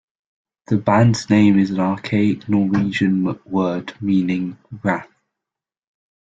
The band's name is an archaic Norwegian word meaning "Wrath".